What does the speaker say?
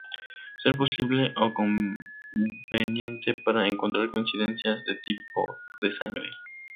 Ser posible o conveniente para encontrar coincidencias de tipo de sangre.